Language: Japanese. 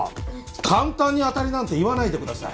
簡単に「当たり」なんて言わないでください。